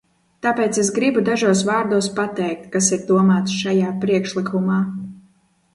Tāpēc es gribu dažos vārdos pateikt, kas ir domāts šajā priekšlikumā.